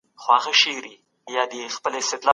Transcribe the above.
پښتو ژبه زموږ د فکر او خیال د الوت لاره ده